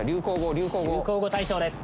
流行語大賞です